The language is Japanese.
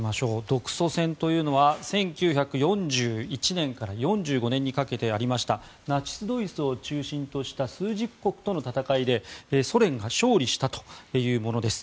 独ソ戦というのは１９４１年から４５年にかけてありましたナチス・ドイツを中心とした枢軸国との戦いでソ連が勝利したというものです。